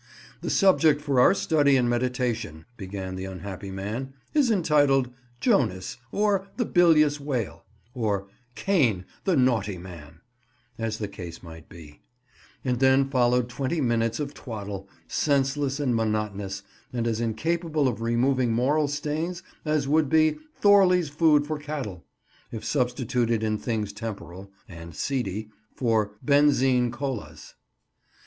"The subject for our study and meditation," began the unhappy man, "is entitled, 'Jonas, or the bilious whale,' or, 'Cain, the naughty man,'" as the case might be; and then followed twenty minutes of twaddle, senseless and monotonous, and as incapable of removing moral stains as would be "Thorley's Food for Cattle," if substituted in things temporal (and seedy) for "Benzine Collas."